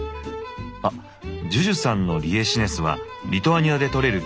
あっＪＵＪＵさんのリエシネスはリトアニアで採れる